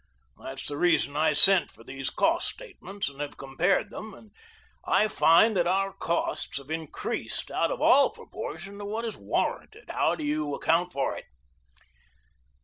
That's the reason I sent for these cost statements and have compared them, and I find that our costs have increased out of all proportions to what is warranted. How do you account for it?"